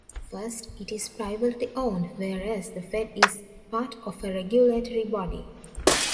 First, it is privately owned, whereas the Fed is part of a regulatory body.